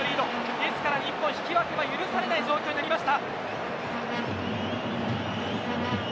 ですから日本、引き分けは許されなくなりました。